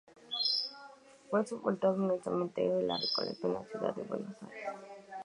Fue sepultado en el Cementerio de la Recoleta, en la ciudad de Buenos Aires.